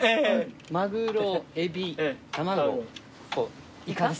マグロエビタマゴとイカです。